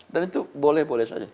dan itu boleh boleh saja